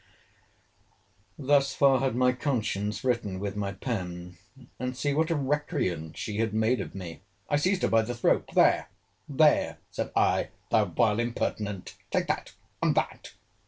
Thus far had my conscience written with my pen; and see what a recreant she had made of me!—I seized her by the throat—There!—There, said I, thou vile impertinent!—take that, and that!